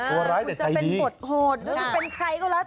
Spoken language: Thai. กลัวร้ายแต่ใจดีคุณจะเป็นบทโหดคุณจะเป็นใครก็แล้ว